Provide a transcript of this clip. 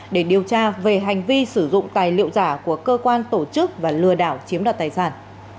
để điều tra về hành vi sử dụng tài liệu giả của cơ quan tổ chức và lừa đảo chiếm đoạt tài sản